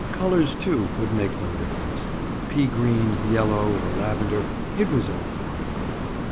Colors, too, would make no difference. Pea green, yellow, or lavender—it was all one.